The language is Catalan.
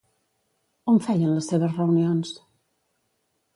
On feien les seves reunions?